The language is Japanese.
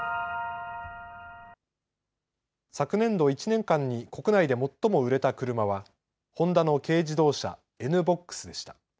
昨年度１年間に国内で最も売れた車はホンダの軽自動車、ＮーＢＯＸでした。